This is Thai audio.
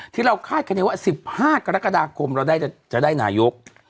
ที่เราคาดคันใหญ่ว่าสิบห้ากรกฎาคมเราจะได้นายก